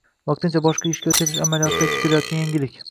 Vaqtincha boshqa ishga o‘tkazish amaliyotida kutilayotgan yangilik.